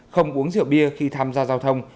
không uống rượu bia khi tham gia giao thông